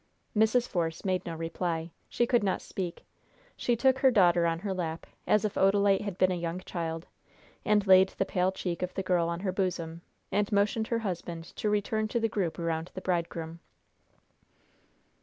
Mrs. Force made no reply. She could not speak. She took her daughter on her lap, as if Odalite had been a young child, and laid the pale cheek of the girl on her bosom, and motioned her husband to return to the group around the bridegroom.